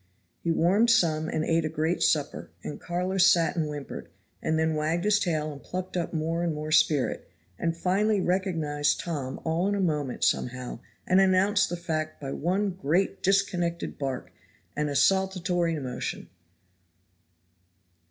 He warmed some and ate a great supper, and Carlo sat and whimpered, and then wagged his tail and plucked up more and more spirit, and finally recognized Tom all in a moment somehow and announced the fact by one great disconnected bark and a saltatory motion.